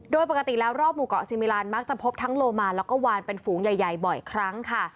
โดยปกติแล้วรอบหมู่เกาะซีมิลานมักจะพบทั้งโลมานแล้วก็วานเป็นฝูงใหญ่บ่อยครั้งค่ะ